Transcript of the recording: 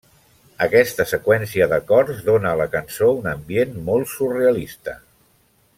Aquesta seqüència d'acords dóna a la cançó un ambient molt surrealista.